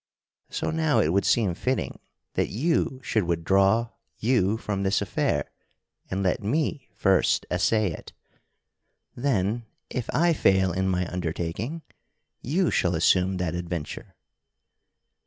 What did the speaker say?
So now it would seem fitting that you should withdraw you from this affair and let me first essay it. Then, if I fail in my undertaking, you shall assume that adventure."